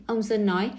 ông sơn nói